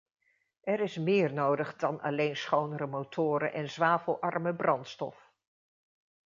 Er is meer nodig dan alleen schonere motoren en zwavelarme brandstof.